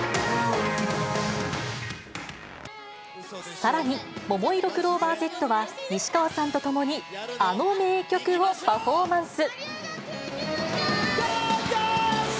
さらに、ももいろクローバーＺは西川さんと共にあの名曲をパフォーマンス。